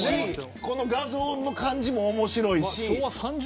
この画像の感じも面白い。